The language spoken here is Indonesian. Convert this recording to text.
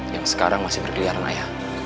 yang sekarang masih berkeliaran ayah